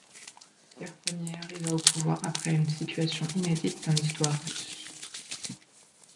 Pierre I arriva au pouvoir après une situation inédite dans l'histoire russe.